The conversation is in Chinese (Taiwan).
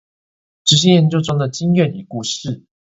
質性研究中的經驗與故事